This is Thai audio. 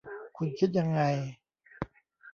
คุณคิดยังไง